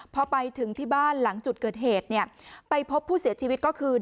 พอไปถึงที่บ้านหลังจุดเกิดเหตุเนี่ยไปพบผู้เสียชีวิตก็คือ